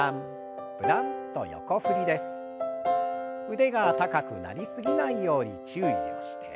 腕が高くなりすぎないように注意をして。